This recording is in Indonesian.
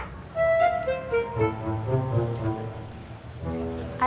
tidak ada yang makan